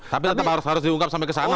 tapi tetap harus diungkap sampai kesana